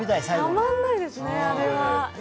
たまんないですね、あれは。